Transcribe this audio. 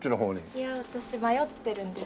いや私迷ってるんです。